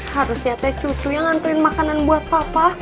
harus siapnya cucu yang nganterin makanan buat papa